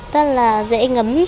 rất là dễ ngấm